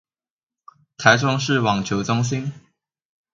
臺中市網球中心